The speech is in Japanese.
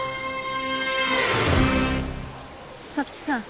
五月さん